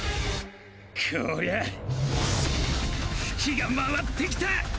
こりゃツキが回ってきた！